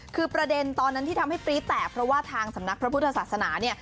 คือประเด็นตอนนั้นที่ทำให้ปรี๊แตกเพราะว่าทางสำนักพระพุทธศาสนาเนี่ย